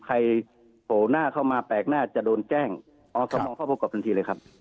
โผล่หน้าเข้ามาแปลกหน้าจะโดนแจ้งอสมเข้าพบกับทันทีเลยครับ